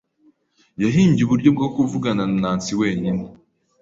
Yahimbye uburyo bwo kuvugana na Nancy wenyine.